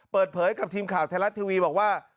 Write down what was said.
เปิดเผยกับทีมข่าวไทยรัฐทีวีบอกว่า